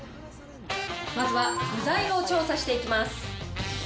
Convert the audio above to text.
まずは具材を調査していきます。